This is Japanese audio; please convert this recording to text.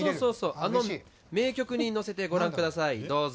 あの名曲に乗せてご覧下さいどうぞ。